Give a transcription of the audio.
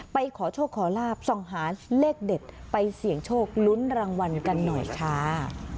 ขอโชคขอลาบส่องหาเลขเด็ดไปเสี่ยงโชคลุ้นรางวัลกันหน่อยค่ะ